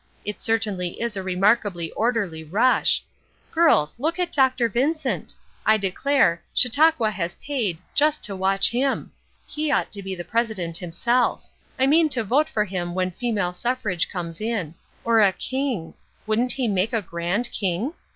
It certainly is a remarkably orderly 'rush.' Girls, look at Dr. Vincent! I declare, Chautauqua has paid, just to watch him! He ought to be the president himself. I mean to vote for him when female suffrage comes in. Or a king! Wouldn't he make a grand king?